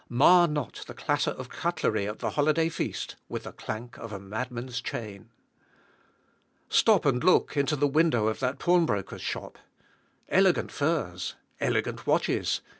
Mar not the clatter of cutlery at the holiday feast with the clank of a madman's chain! Stop and look into the window of that pawnbroker's shop. Elegant furs. Elegant watches.